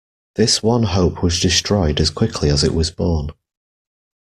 This one hope was destroyed as quickly as it was born.